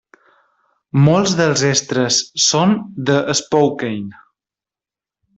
Molts dels extres són de Spokane.